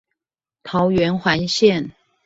桃園環線